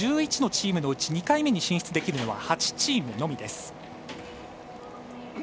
１１のチームのうち２回目に進出できるのは８チームのみです。